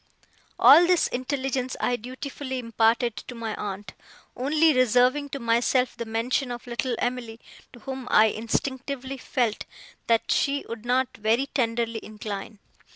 All this intelligence I dutifully imparted to my aunt, only reserving to myself the mention of little Em'ly, to whom I instinctively felt that she would not very tenderly incline.